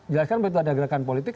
jelaskan begitu ada gerakan politik